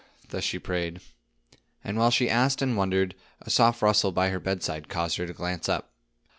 thus she prayed. And while she asked and wondered, a soft rustle by her bedside caused her to glance up.